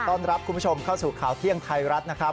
ต้อนรับคุณผู้ชมเข้าสู่ข่าวเที่ยงไทยรัฐนะครับ